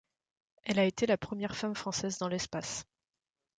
Elle a été la première femme française dans l'espace.